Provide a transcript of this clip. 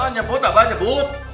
nyebut apa nyebut